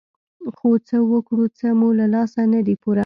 خو څه وکړو څه مو له لاسه نه دي پوره.